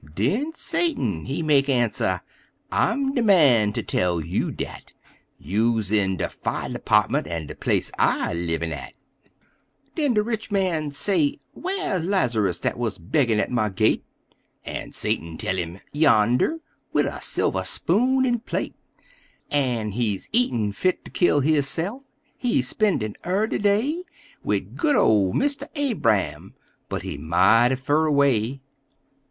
Den Satan, he mek answer: "I'm de man ter tell you dat: You's in de fire department er de place I livin' at!" Den de rich man say: "Whar' Laz'rus dat wuz beggin' at my gate?" En Satan tell him: "Yander, wid a silver spoon en plate; En he eatin' fit ter kill hisse'f! He spendin' er de day Wid good ol' Mister Abra'm, but he mighty fur away!"